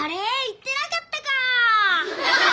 言ってなかったか！